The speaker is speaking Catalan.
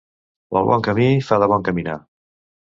Pel bon camí fa de bon caminar.